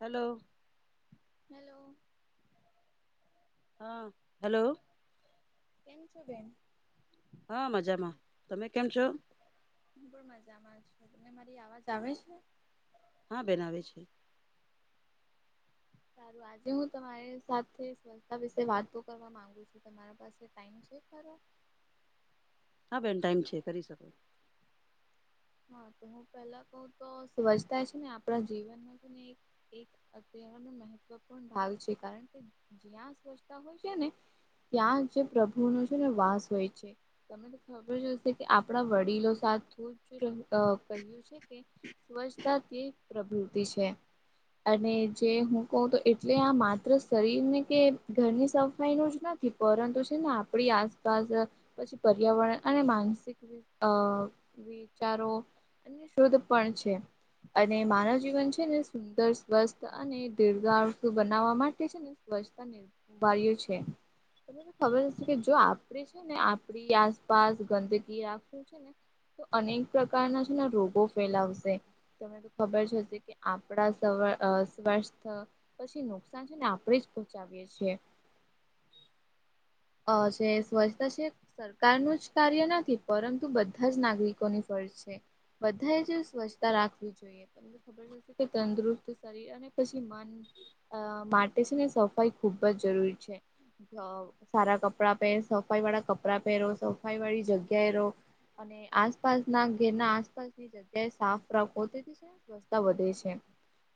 Hello. Hello. હા hello. કેમ છો બેન? હા મજામાં, તમે કેમ છો? હું પણ મજામાં છું, તમને મારી આવાજ આવે છે? હા બેન આવે છે. સારું આજે હું તમારી સાથે સંસ્થા વિશે વાતો કરવા માંગુ છું, તમારે પા ટમ છે ખરો? હા બેન ટાઈમ છે કરી શકો. હા તો હું પેલા કઉ તો સ્વચ્છતા છે ને આપણા જીવનમાં ને અત્યારનો મહત્વપૂર્ણ ભાગ છે, કારણ કે તા હોય છે ને, ત્યાં જે પ્રભુનો છે ને વાસ હોય છે. તમને ખબર જ હશે કે આપણા વડીલો સાથે કહ્યું છે. સ્વ્છતા તે પ્રવૃતિ છે. અને જે હું કઉ તો એટલે આ માત્ર શરીર ને કે ઘરની સફાઈ ન જ નથી. પરંતુ છે ને આપડી આસપાસ પછી પર્યાવરણ અને માનસિક અ વિચારો અને શુધ પણ છે. અને માનવ જીવન છે ને સુંદર સ્વસ્થ અને દીર્ધુ બનાવવા માટે છે ને. સ્વચ્છતા ઉભાર્યું છે. તમને ખબર હશે કે જો આપડી છે ને આપડી આસપાસ ગંદકી રાખું છે ને. તો અનેક પ્રકારના છે ને રોગો ફેલાવશે. તમને તો ખબર જ હશે કે આપણા સ્વસ્થ પછી નુકસાન છે ને આપણેે જ પહોંચાવીએ છીએ. અ છે સ્વચ્છતા છે સરકારનું જ કાર્ય નથી પરંતુ બધા જ નાગરિકોની ફરજ છે. બધાએ જ સ્વચ્છતા રાખવી જોઈએ. ખબર જશે કે તંદુરુસ્ત શરીર અને પછી મન અ માટે છે ને સફાઈ ખુબ જ જરૂરી છે. સારા કપડાં પહેર સફાઈ વાળા કપડાં પહેરો સફાઈ વાળી જગ્યાએ રહ. અને આસપાસ ના ઘેર ના આસપાસની જગ્યાએ સાફ રાખતી છે. વ વધે છે.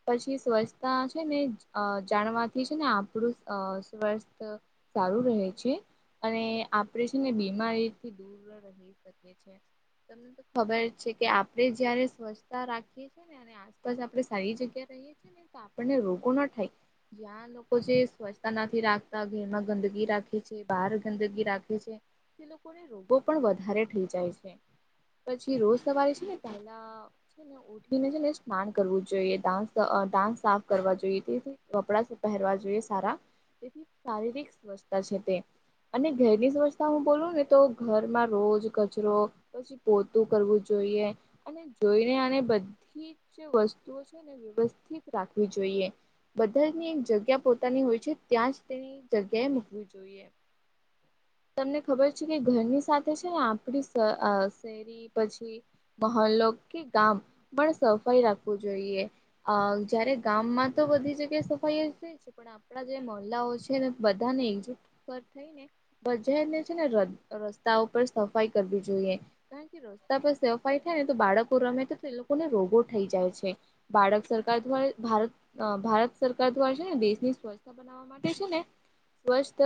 પછી સ્વચ્છતા છે ને જાણવાથી છે ને આપણું સ્વસ્થ સારું રહે છે, અને આપરેેશન એ બીમારીથી દૂર રહી શકે. તમને તો ખબર છે કે, આપણે જયારે સ્વચ્છતા રાખીએ છીએને અને આસપાસ આપડે સારી જગ્યા રહીએ છીએ ને, તો આપણને રોગો ના થાય. ત્યાં લોકો જે સ્વચ્છતા નથી રાખતા ઘેરમાં ગંદગી રાખતા બાર ગંદગી રાખે છે, તે લોકોને રોગો પણ વધારે થઈ જાય છે. પછી રોજ સવારે છે ને પહેલા છે ને ને જને સ્નાન કરવું જોઈએા સાફ કરવા જોઈએ તેથી વપડા પહેરવા જોઈએ સારા, તેથી શારીરિક સ્વચછતા છે તે. અને ઘરની વવસ્થા હું બોલું ને તો ઘરમાં રોજ કચરો. પછી પોતું કરવું જોઈએ, અને જોઈને આને બધીજ વસ્તુઓ છેને વ્યવસ્થિત રાખવી જોઈએ. બધાની એક જગ્યા પોતાની હોય છે, ત્યાંજ તેની જગ્યાએ મૂકવી જોઈએ. તમને ખબર છે કે ઘરની સાથે છે ને આપડી શ અ શરી પછી મહોલો કે ગામ પણ સફાઈ રાખવું જોઈએ. અ જયારે ગામમાં તો બધી જગ્યા સફાઈયજ રે છે. પણ આપણા જે મહલ્લાઓ છે ને બધાને એકજુટ પર થઈ ને બજાર ને છે ને ર રસ્તા ઉપર સફાઈ કરવી જોઈએ. કે કે રસ્તા પર સફાઈ થાય ને, તો બાળકો રમે તો તો એ લોકોને રોગો થઈ જાય છે. બાળક સરકાર દ્વારા ભારત અ ભારત સરકાર દ્વારા છે ને દેશની સ્વચ્છતા પર થવા માટે છે ને, સ્વચ્ત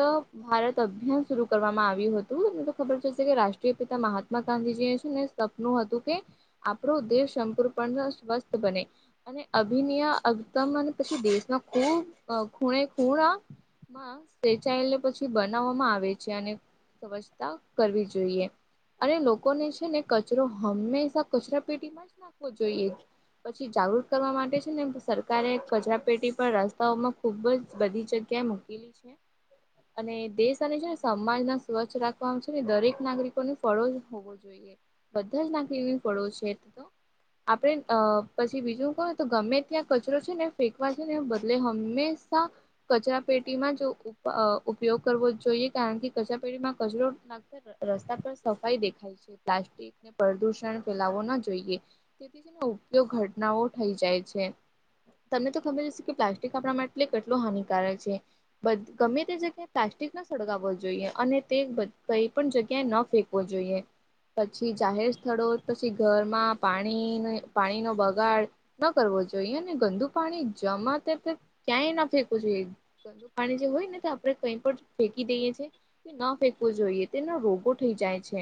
ભારત અભિયાન શરૂ કરવામાં આવ્યું હતું, અને તો ખબર છે કે રાષ્ટ્રીય પિતા મહાત્મા ગાંધીજી એ છેને સપનું હતું કે આપણું દેશ સંપૂર્ણપ સ્વસ્થ બને અને અભિનિય અગ તમને પછી દેશમાં ખૂ ખૂણે ખૂણા મા સેચાયે પછી બનાવવામાં આવે છે, અને સ્વજતા કરવી જોઈએ. અને લોકોને છે ને કચરો હંમેશા કચરા પેટીમાં જ નાખવો જોઈએ. પછી જાગૃત કરવા માટે છે ને તો સરકારે કચરાપેટી પર રસ્તાઓમાં ખુબજ બધી જગ્યાએ મૂકેલી છે, અને દેશ અને સમાજ ના સ્વચ્છ રાખવાનું છે ને દરેક નાગરિકોને ફળોજ હોવો જોઈએ. બધા જ નાકેવી પડો છે. આપડે અ પછી બીજું કહને તો ગમે ત્યાં કચરો છે ને. ફેંકવા છે ને બદલે હંમેશા કચરા પેટીમાં જ ઉપ અ ઉપયોગ કરવો જોઈએ, કારણ કે કચરા પેટીમાં કચરો લાગતો રસ્તા પર સફાઈ દેખાય છે, પ્લાસ્ટિકને પ્રદુષણ ફેલાવવો ના જોઈએ. તેથી છે ને ઉપયોગ ઘટનાઓ થઈ જાય છે, તમને તો ખબર હશે કે પ્લાસ્ટિક આપણા માટે તે કેટલો હાનિકારક છે, ગમે તે જગ્યા પ્લાસ્ટિક ના સળગાવો જોઈએ, અને તે બ કઈ પણ જગ્યાએ ન ફેંકવો જોઈએ. પછી જાહેર સ્થળો, પછી ઘરમાં પાણી ન પાણીનો બગાડ ન કરવો જોઈએ ને, ગંદુ પાણી જમા તેમ ક્યાંય ના ફેંકવું જોઈએ. ગંદુ પાણી જે હોય ને તો આપડે કઈ પણ ફેંકી દઈએ છે, તે ન ફેંકવો જોઈએ, તેના રોગો થઈ જાય છે.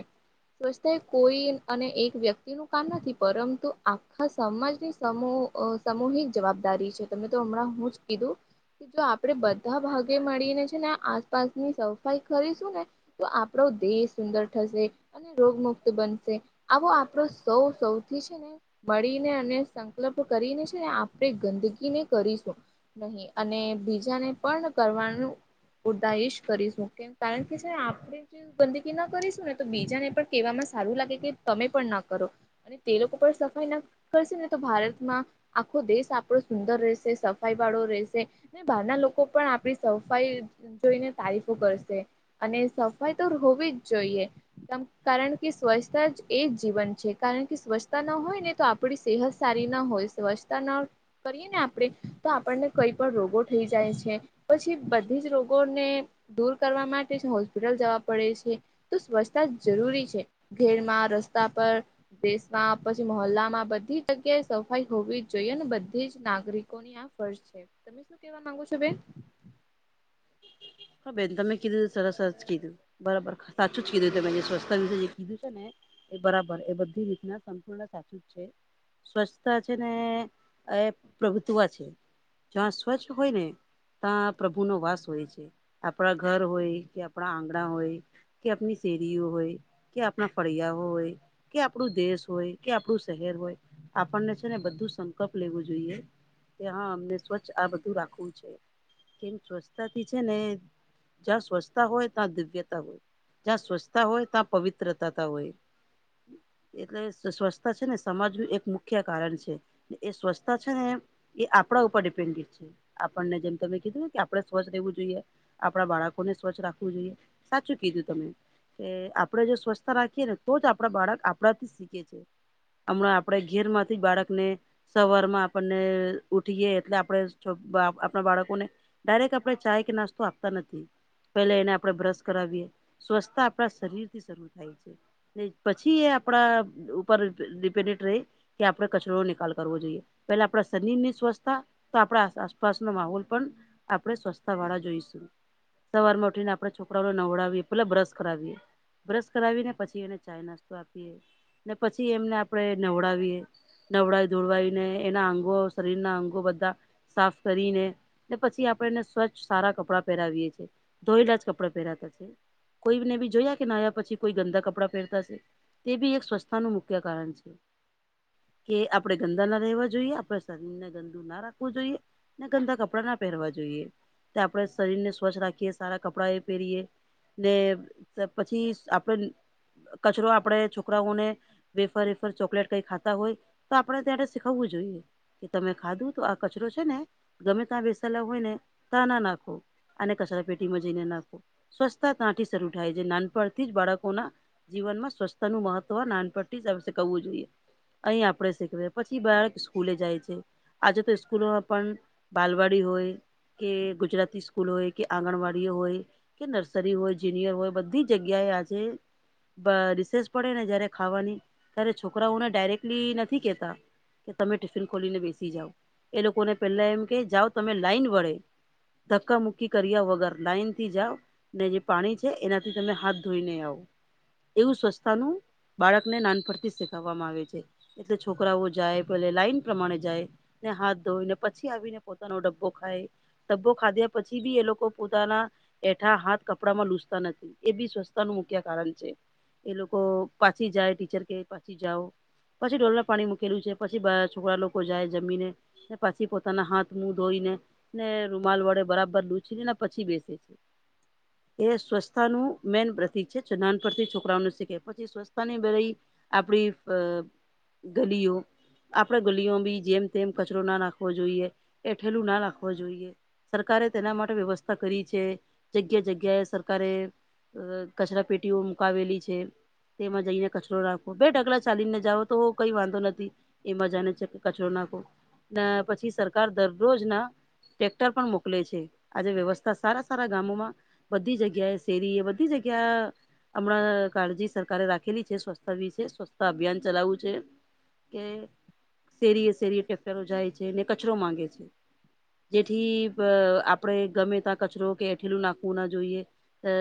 સ્વચ્છતા કોઈ અને એક વ્યક્તિ નું કામ નથી, પરંતુ આખા સમાજની સમૂહ અ સમૂહિક જવાબદારી છે. તમેતો હમણાં હું જ કીધું, કે જો આપણેે બધા ભાગે મળીને છે ને આસ પાસની સફાઈ કરીશું ને, તો આપણો દેશ સુંદર થશે. અને રોગ મુક્ત બનશે, આવો આપણો સૌ સૌથી છે ને મળીને અને સંકલપ કરીને છે ને, આપણે ગંદકી નય કરીશું. નહી અને બીજાને પણ કરવાનું તાઈશ કરીશું, કેમ કારણકે છે ને આપણે જે ગંદકી ના કરીશું ને તો, બીજાને પણ કેહેવામાં સારું લાગે કે તમે પણ ના કરો. અને તે લોકો પણ સફાઈ ના કરશે ને, તો ભારતમાં આખો દેશ આપણો સુંદર રહેશે સ સફાઈ વાળો રહેશે, ને બહારના લોકો પણ આપડી સફાઈ જોઈને તારીફો કરશે, અને સફાઈ તો હોવી જ જોઈએ. કારણ કે સ્વચ્છતા જ એ જ જીવન છે, કારણ કે સ્વચ્છતા ન હોય ને તો આપ આપડી સેહત સારી ના હોય, સ્વચ્છતા ન કરીએ ને આપણે તો આપણને કઈ પણ રોગો થઈ જાય છે, પછી બધી જ રોગો ને દૂર કરવા માટે હોસ્પિટલ જવા પડે છે, તો સ્વચ્છતા જરૂરી છે. ઘેરમાં રસ્તા પર. દેશમાં પછી મહોલ્લા માં બધી જ જગ્યાએ સફાઈ હોવી જ જોઈએ ને બધી જ નાગરિકોની ફર્ક છે, તમે શું કેવા માંગો છો બેન? હા બેન તમે કીધું સરસ કીધું. બરાબર સાચું જ કીધું ત મે જે સ્વસ્થ વિશે જે કીધું છે ને. એ બરાબર એ બધી રીતના સંપૂર્ણ સાચું જ છે. સ્વચ્છતા છે ને એ પ્રભુત્વ છે. જ્યાં સ્વચ્છ હોય ને, ત્યાં પ્રભુ નો વાસ હોય છે, આપણા ઘર હોય કે આપણા આંગણા હોય. કે આપની શેરીઓ હોય, કે આપણા ફળિયાઓ હોય. કે આપણું દેશ હોય કે આપણું શહેર હોય, આપણને છે ને બધું સંકલ્પ લેવું જોઈએ. કે હા અમને સ્વચ્છ આ બધું રાખવું છે, કેમ સ્વચ્છતાથી છે ને જ્યા સ્વચ્છતા હોય ત્યા દિવ્યતા હોય. [unintelligible] એટલે સ્વચસ્થતા છે ને સમાજનું એક મુખ્ય કારણ છે. એ સ્વચ્છતા છે ને એ આપણા ઉપર ડિપેન્ડેટ છે, આપણને જેમ તમે કીધું કે આપણે સ્વચ્છ રહેવું જોઈએ, આપડા બાળકોને સ્વચ્છ રાખવું જોઈએ, સાચું કીધું તમે. કે આપણેે જો સ્વચ્થતા રાખીએ ને તો જ આપણા બાળક આપણાથી શીખે છે. હમણાં આપણે ઘેર માંથી બાળકને સવાર માં આપણને ઉઠીએ એટલે આપણે આપણા બાળકોને ડાયરેક્ટ આપણે ચાય કે નાસ્તો આપતા નથી. પેલા એને આપણે બ્રશ કરાવીએ, સ્વચ્છતા આપણા શરીર થી શરૂ થાય. પછી એ આપણા ઉપર ડિપેન્ડેડ રે. કે આપણે કચરા નો નિકાલ કરવો જોઈએ, પેલા આપણા શરીર ની સ્વચ્છતા તો આપણા આસપાસનો માહોલ પણ, આપણે સ્વસ્છતા વાળા જોઈશું. સવારમાં ઉઠીને આપડે છોકરાઓને નવડાવીએ પેલા બ્રશ કરાવીએ. બ્રશ કરાવી ને પછી એને ચાય નાસ્તો આપીએ, ને પછી એમને આપણે નનેવડાવીએ. નવળાઈ ધોળવાઈને એના અંગો શરીરના અંગો બધા. સાફ કરીને, પછી આપ આપને સ્વચ્છ સારા કપડાં પહેરાવીએ છીએ, ધોયેલા જ કપડા પહેરાતા છે. કોઈને બી જોયા કે ના આવ્યા પછી કોઈ ગંદા કપડાં પહેરતાશે? તે બી એક સ્વચ્થતાનું મુખ્ય કારણ છે. કે આપણેે ગંદા ના રહેવા જોઈએ આપણે શરીર ને ગંદુ ના રાખવું જોઈએ. ને ગંદા કપડા ના પહેરવા જોઈએ, તે આપણે શરીર ને સ્વચ્છ રાખીએ સારા કપડાં એ પહેરીએ. ને પછી આપડે કચરો આપણેે છોકરાઓને. વફરફર ચોકલેટ કઈ ખાતા હોય, તો આપડણે ત્યાં શીખવવું જોઈએ. કે તમે ખાધું તો આ કચરો છે, ને ગમે ત્યાં બેસાલા હોયને તા ના નાખો, અને કચરા પેટીમાં જઈને નાખો. સ્વચ્છતા ત્યાંથી શરૂ થાય છે નાનપણથી જ બાળકોના જીવનમાં સ્વસ્થતા નનું મહત્વ નાનપથી જ કવું જોઈએ. અહીં આપડે શીખવે પછી બાળક સ્કૂલે જાય છે. આજે તો સ્કૂલોમાં પણ બાલવાડી હોય. કે ગુજરાતી સ્કૂલ હોય કે આંગણવાડીઓ હોય. કે નર્સરી હોય જુનિયર હોય બધી જગ્યાએ આજે રિસેસ પડે ને જયારે ખાવાની ત્યારે છોકરાઓને ડાયરેક્ટલી નથી કેતા. કે તમે ટિફિન ખોલીને બેસી જાઓ એ લોકોને પેલા એમ કે જાઓ તમે લાઈન વળે. ધક્ક મુુક્કી કર્યા વગર લઇનથી જાઓ. ને જે પાણી છે એનાથી તમે હાથ ધોઈને આવો. એવું સ્વચ્છતાનું બાળકને નાન પરથી શીખવવામાં આવે છે. એટલે છોકરાઓ જાય પલે લાઈન પ્રમાણે જાય. ને હાથ ધોઈ ને પછી આવીને પોતાનો ડબ્બો ખાય. ડબ્બો ખાધ્યા પછી બી એ લોકો પોતાના એઠા હાથ કપડામાં લૂસતા નથી એ બી સ્વચથતાનું મુખ્ય કારણ છે. એ લોકો પાછી જાય ટીચર કે પાછી જાઓ. પછી ઢોલર પાણી મૂકેલું છે. પછી છોકરા લોકો જાય જમીને. પછી પોતાના હાથ મુ ધોઈને. ને રૂમાલ વડે બરાબર લૂછીને ને પછી બેસે છે. [inaudible] એ સ્વચથતા નું મેન પ્રતિક છે. નાન પરથી છોકરાઓું શીખે પછી સ્વસ્થતાની ભ. આપડી અ ગલીઓ. આપડે ગલીઓ બી જેમ તેમ કચરો ના નાખવો જોઈએ એઠેલું ના રાખવું. જોઈએ સરકારે તેના માટે વ્યવસ્થા કરી છે. જગ્યા જગ્યાએ સરકારે. અ કચરા પેટીઓ મુકાવેલી છે. તેમાં જઈને કચરો રાખવો બે ઢગલા ચાલીને જાવ તો કઈ વાંધો નથી. એમાં જાને છે કે કચરો નાખો ને પછી સરકાર દરરોજ ના ટટેક્ટર પણ મોકલે છે. આજે વ્યવસ્થા સારા સારા ગામમાં. બધી જગ્યાએ શેરી એ બધી જગ્યા હમણાં કાળજી સરકારે રાખેલી છે સ્વચછ વિશે સ્વચ્છતા અભિયાન ચલાવું છે. કે શેરીએ શેરીફરો જાય છે ને કચરો માંગે છે. જેથી આપણેે ગમે ત્યાં કચરો કે એઠીલું નાખવું ના જોઈએ.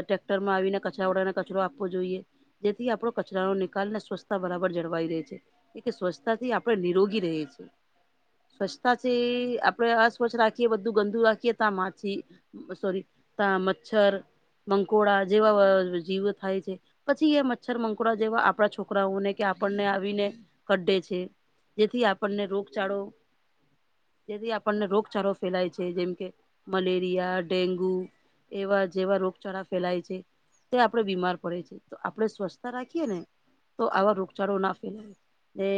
ટ્રેક્ટર માં આવીને કચરા વળને કચરો આપવો જોઈએ. જેથી આપડો કચરાનો નિકાલ ને સ્વચ્છતા બરાબર જળવાઈ રે છે. એ સ્વચ્છતાથી આપડે નિરોગી ર છીએ સ્વચ્છતાથી આપડે આ સ્વચ્છ રાખીએ બધું ગંદુ રાખીએ ત્યા માછી સોરી ત મચ્છર. મંકોળા જેવા જીવો થાય છે. પછી એ મચ્છર મકડા જેવા આપણા છોકરાઓને કે આપણને આવીને કઢે જેથી આપણને રોગચળો જેથી આપણને રોગ ચારો ફેલાય છે જેમ કે મલેરિયા ડેન્ગુ એવા જેવા રોગચાળા ફેલાય છે. તે આપણેે બીમાર પડે છે તો આપણે સ્વચ્થતા રાખીએ ને તો આવા રોગચાળો ના ફેલાય એ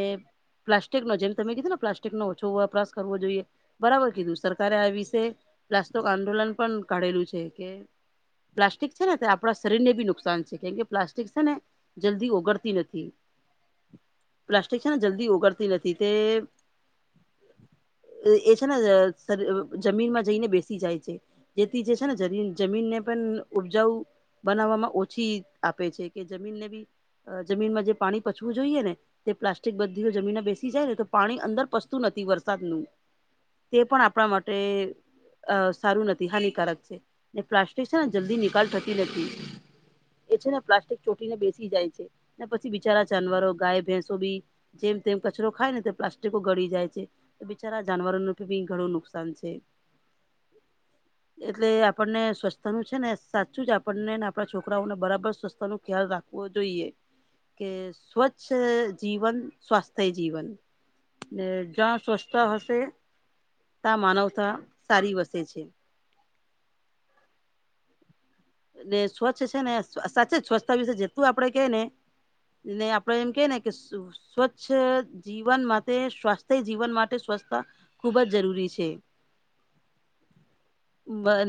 પ્લાસ્ટિક નો જેમ તમે કીધું ને પ્લાસ્ટિક નો ઓછો વપરાશ કરવો જોઈએ બરાબર ને કીધું સરકારે આ વિશે પ્લાસ્ક આંદોલન પણ કાઢેલું છે. પ્લાસ્ટિક છે ને તે આપણા શરીરને બી નુકસાન છે કેમ કે પ્લાસ્ટિક છે ને. જલ્દી ઓગડતી નથી. પ્લાસ્ટિક છે ને જલ્દી ઓગળતી નથી તે [inaudible] એ છે ને જમીનમાં જઈને બેસી જાય છે. જેથી જે છે ને જ જમીન ને પણ ઉપજાવું બનાવવામાં ઓછી આપે છે કે જમીનને બી જમીનમાં જે પાણી પચવું જોઈએ ને. તે પ્લાસ્ટિક બધી જમીન બેસી જાય ને તો પાણી અંદર પસતું નથી વરસાદનું તે પણ આપણા માટે અ સારું નથી હાનિકારક છે ને પ્લાસ્ટિક છે ને જલ્દી નિકાલ થતી નથી. એ છે ને પ્લાસ્ટિક ચોટીને બેસી જાય છે ને પછી બિચારા જાનવરો ગાય ભેંસો બી જેમ તેમ કચરો ખાય ને તે પ્લાસ્ટિકો ગળી જાય છે બિચારા જાનવરોનું ભી ઘણું નુકસાન છે. [unintelligible] એટલે આપણને સ્વસ્થતા નું છે ને, સાચું જ આપણને ને આપણા છોકરાઓને બરાબર સ્વસ્થતા નું ખ્યાલ રાખે. જોઈએ કે સ્વચ્છ જીવન સ્વાસ્થ્ય જીવન. ને જ્યાં સ્વચતા હશે. ત માનવતા સારી વસે છે. ને સ્વચ્છ છે ને સાચે જ સ્વચ્છતા વિશે જેતું આપડે કે ને ને આપડે એમ કે ને કે સ્વચ્છ જીવન માટે સ્વા જીવન માટે સ્વચ્છતા ખુબ જ જરૂરી છે.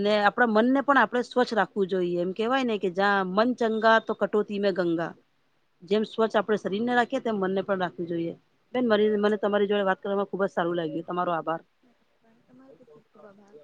ને આપણા મનને પણ આપણે સ્વચ્છ રાખું હુ જોઈ એમ કેહેવાય ને કે, જં મન ચંગા તો કટોતી મેં ગંગા. જેમ સ્વચ્છ આપણે શરીર ને રાખીએ, તેમ મનને પણ રાખવી જોઈએ. બેન, મારી મને તમારી જોડે વાત કરવામાં ખુબ જ સારું લાગ્યું. તમારો આભાર. પણ તમારે પર ખૂબ ખૂબ આભાર.